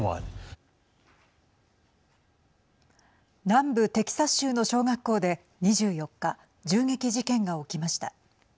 南部テキサス州の小学校で２４日、銃撃事件が起きました。